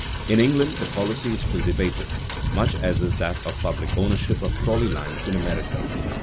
In England the policy is still debated, much as is that of public ownership of trolley lines in America.